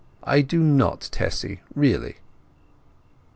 "I do not, Tessy, really."